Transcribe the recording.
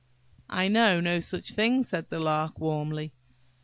"I know no such thing," said the Lark, warmly.